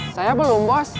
saya belum bos